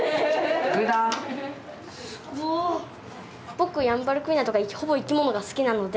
僕ヤンバルクイナとか生き物が好きなので。